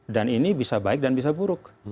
dan ini bisa baik dan bisa buruk